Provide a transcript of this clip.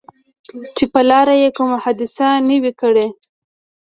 چې پر لاره یې کومه حادثه نه وي کړې.